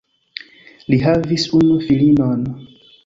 Li havis unu filinon.